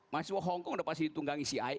masih di hongkong udah pasti ditunggang cia